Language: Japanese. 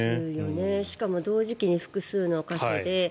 しかも同時期に複数の箇所で。